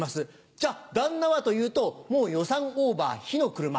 じゃ旦那はというともう予算オーバー火の車。